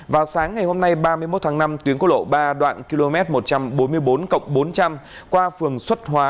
vào sáng ngày hôm nay ba mươi một tháng năm tuyến của lộ ba đoạn km một trăm bốn mươi bốn cộng bốn trăm linh qua phường xuất hóa